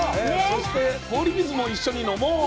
そして氷水も一緒に飲もう。